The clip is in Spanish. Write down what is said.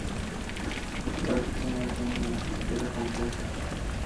La retina tiene una estructura compleja.